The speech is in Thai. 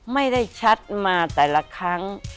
ไม่ได้ชัดมาแต่ละครั้ง